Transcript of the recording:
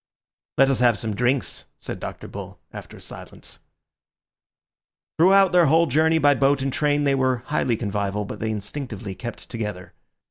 "Let us have some drinks," said Dr. Bull, after a silence. Throughout their whole journey by boat and train they were highly convivial, but they instinctively kept together.